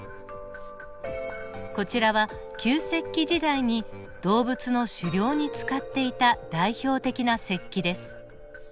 こちらは旧石器時代に動物の狩猟に使っていた代表的な石器です。